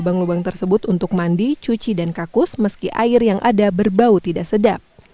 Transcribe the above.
lubang lubang tersebut untuk mandi cuci dan kakus meski air yang ada berbau tidak sedap